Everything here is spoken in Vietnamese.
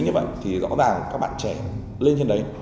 như vậy thì rõ ràng các bạn trẻ lên trên đấy